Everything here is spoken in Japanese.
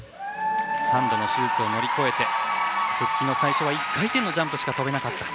３度の手術を乗り越えて復帰最初は１回転のジャンプしか跳べなかった。